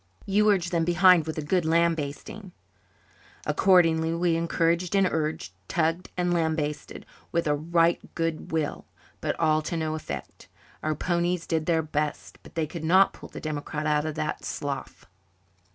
You urge them behind with a good lambasting." Accordingly we encouraged and urged, tugged and lambasted, with a right good will, but all to no effect. Our ponies did their best, but they could not pull the democrat out of that slough.